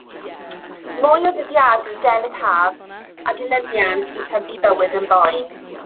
Mwy o ddyddiadur Delyth Haf, a dilyniant i Tydi bywyd yn boen!